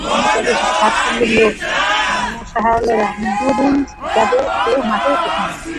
সামনে চলে এসেছে স্বার্থলোভী ও মোসাহেবেরা, দুর্দিনে যাদের কেউ মাঠে দেখেনি।